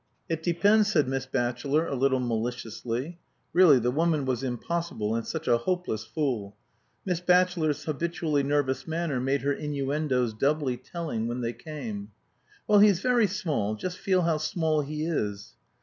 "It depends," said Miss Batchelor, a little maliciously. (Really, the woman was impossible, and such a hopeless fool!) Miss Batchelor's habitually nervous manner made her innuendoes doubly telling when they came. "Well he's very small. Just feel how small he is."